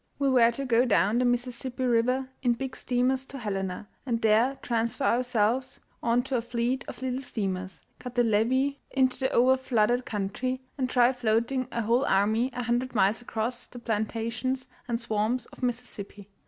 We were to go down the Mississippi River in big steamers to Helena, and there transfer ourselves on to a fleet of little steamers, cut the levee into the overflooded country, and try floating a whole army a hundred miles across the plantations and swamps of Mississippi.